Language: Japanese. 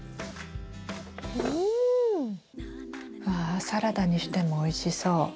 わサラダにしてもおいしそう。